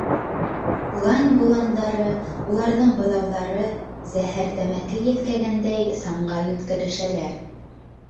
Лань боландары, уларҙың быҙауҙары, зәһәр тәмәке еҫкәгәндәй, саңға йүткерешәләр.